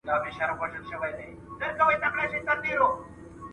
تاسو بايد د سياست په اړه د منطق څخه کار واخلئ.